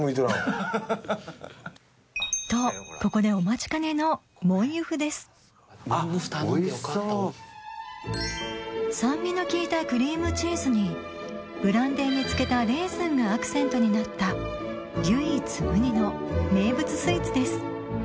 とここでお待ちかねのモンユフです酸味の効いたクリームチーズにブランデーに漬けたレーズンがアクセントになった唯一無二の名物スイーツです